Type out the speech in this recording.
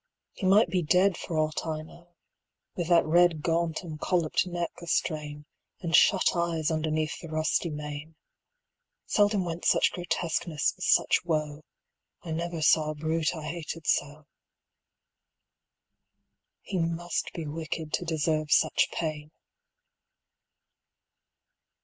he might be dead for aught I know, With that red gaunt and colloped neck a strain, 80 And shut eyes underneath the rusty mane; Seldom went such grotesqueness with such woe; I never saw a brute I hated so; He must be wicked to deserve such pain.